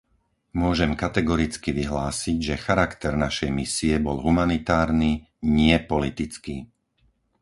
Môžem kategoricky vyhlásiť, že charakter našej misie bol humanitárny, nie politický.